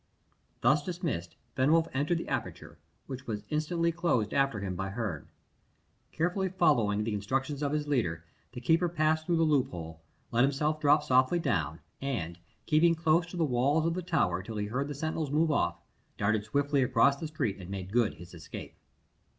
Thus dismissed, Fenwolf entered the aperture, which was instantly closed after him by Herne. Carefully following the instructions of his leader, the keeper passed through the loophole, let himself drop softly down, and keeping close to the walls of the tower till he heard the sentinels move off, darted swiftly across the street and made good his escape.